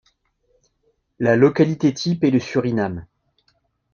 La localité type est le Surinam.